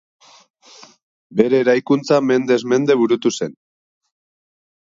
Bere eraikuntza mendez-mende burutu zen.